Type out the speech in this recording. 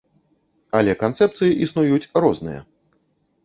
Але канцэпцыі існуюць розныя.